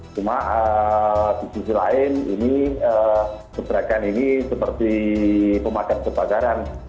cuma di sisi lain ini gebrakan ini seperti pemadam kebakaran